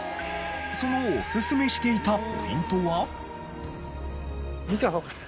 そのおすすめしていたポイントは。